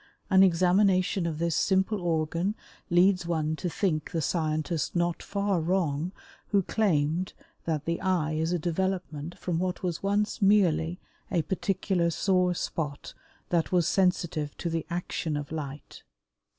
An examination of this simple organ leads one to think the scientist not far wrong who claimed that the eye is a development from what was once merely a particular sore spot that was sensitive to the action of light.